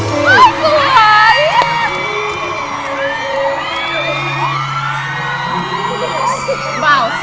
ภูมิใส่แววหรอใส่แววสิอ้าวสวย